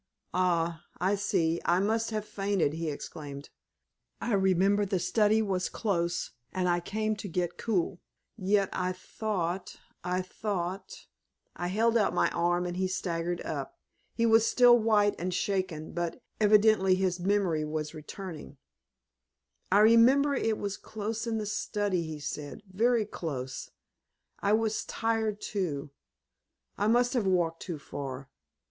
"Ah! I see! I must have fainted!" he exclaimed. "I remember the study was close, and I came to get cool. Yet, I thought I thought " I held out my arm, and he staggered up. He was still white and shaken, but evidently his memory was returning. "I remember it was close in the study," he said "very close; I was tired too. I must have walked too far.